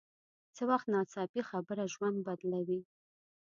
څه وخت ناڅاپي خبره ژوند بدلوي